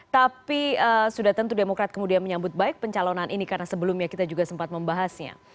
tapi sudah tentu demokrat kemudian menyambut baik pencalonan ini karena sebelumnya kita juga sempat membahasnya